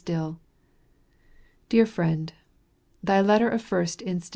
STILL: Dear Friend Thy letter of 1st inst.